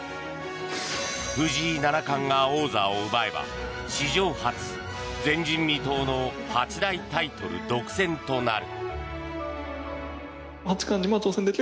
藤井七冠が王座を奪えば史上初、前人未到の八大タイトル独占となる。